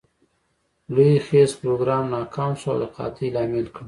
لوی خیز پروګرام ناکام شو او د قحطي لامل ګړ.